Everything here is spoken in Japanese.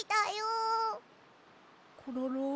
コロロ。